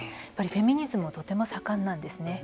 フェミニズムがとても盛んなんですね。